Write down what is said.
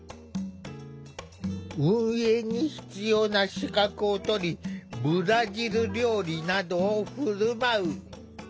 運営に必要な資格を取りブラジル料理などを振る舞う。